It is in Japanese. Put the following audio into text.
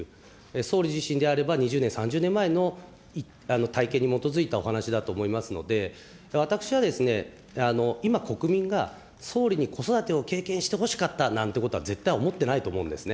総理自身であれば２０年、３０年前の体験に基づいたお話だと思いますので、私は今、国民が総理に子育てを経験してほしかったなんてことは絶対思ってないと思うんですね。